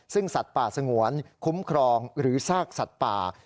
ซึ่งสัตว์ป่าสงวนคุ้มครองหรือซากสัตว์ป่า